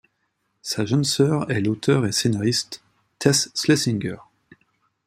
Sa jeune sœur est l'auteur et scénariste Tess Slesinger.